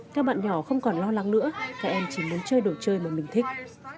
các bạn nhỏ không còn lo lắng nữa các em chỉ muốn chơi đồ chơi mà mình thích